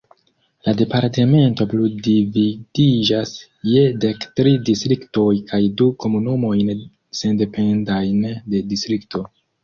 La departemento plu dividiĝas je dek tri distriktoj kaj du komunumojn sendependajn de distrikto.